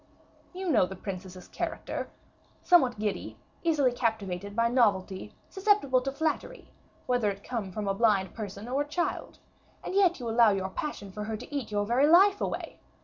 "You know the princess's character, somewhat giddy, easily captivated by novelty, susceptible to flattery, whether it come from a blind person or a child, and yet you allow your passion for her to eat your very life away.